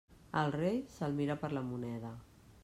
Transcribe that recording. Al rei, se'l mira per la moneda.